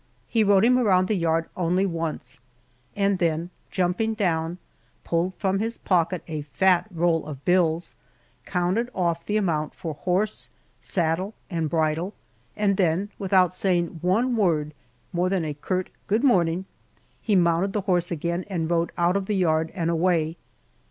He rode him around the yard only once, and then jumping down, pulled from his pocket a fat roll of bills, counted off the amount for horse, saddle, and bridle, and then, without saying one word more than a curt "good morning," he mounted the horse again and rode out of the yard and away.